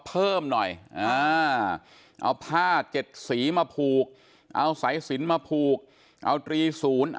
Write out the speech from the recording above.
เพิ่มหน่อยเอาผ้าเจ็ดสีมาผูกเอาสายสินมาผูกเอาตรีศูนย์